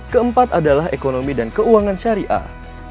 keempat adalah ekonomi dan keuangan syariah